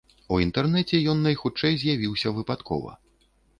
У інтэрнэце ён найхутчэй з'явіўся выпадкова.